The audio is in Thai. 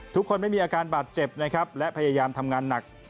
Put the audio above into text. ไม่มีอาการบาดเจ็บนะครับและพยายามทำงานหนัก